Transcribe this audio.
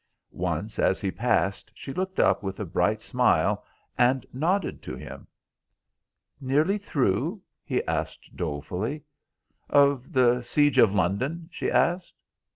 Once as he passed she looked up with a bright smile and nodded to him. "Nearly through?" he asked dolefully. "Of The Siege of London?" she asked.